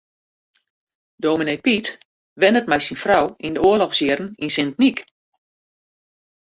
Dominee Pyt wennet mei syn frou yn de oarlochsjierren yn Sint Nyk.